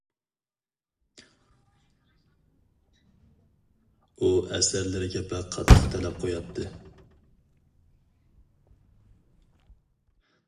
ئۇ ئەسەرلىرىگە بەك قاتتىق تەلەپ قوياتتى.